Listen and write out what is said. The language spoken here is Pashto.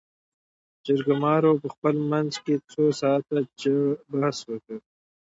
جرګمارو په خپل منځ کې څو ساعاته جړ بحث وکړ.